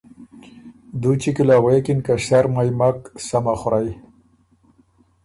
دوچی کی له غوېکِن که ”ݭرمئ مک، سمه خورئ“